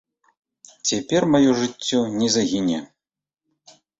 Цяпер маё жыццё не загіне.